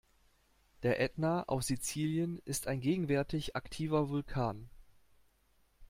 Der Ätna auf Sizilien ist ein gegenwärtig aktiver Vulkan.